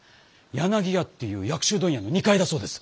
柳屋っていう薬種問屋の二階だそうです。